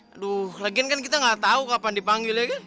aduh lagian kan kita gak tau kapan dipanggilnya kan